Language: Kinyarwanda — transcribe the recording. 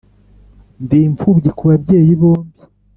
ndimfubyi kubabyeyi bombi.